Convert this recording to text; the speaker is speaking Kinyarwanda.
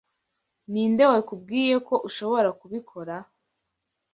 Ninde wakubwiye ko ushobora kubikora?